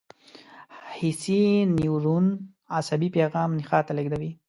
حسي نیورون عصبي پیغام نخاع ته لېږدوي.